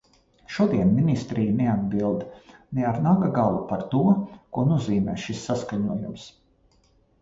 Šodien ministrija neatbild ne ar naga galu par to, ko nozīmē šis saskaņojums.